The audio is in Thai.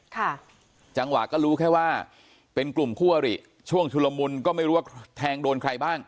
จังหวะก็รู้แค่ว่าเป็นกลุ่มคู่อริช่วงชุลมุนก็ไม่รู้ว่าแทงโดนใครบ้าง